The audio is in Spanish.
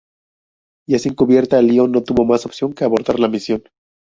Ya sin cubierta, Lyon no tuvo más opción que abortar la misión.